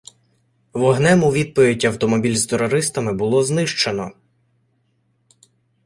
Вогнем у відповідь автомобіль з терористами було знищено.